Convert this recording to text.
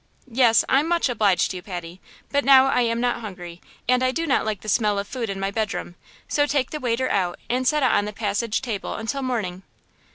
"Yes, I'm much obliged to you, Patty, but now I am not hungry, and I do not like the smell of food in my bedroom, so take the waiter out and set it on the passage table until morning."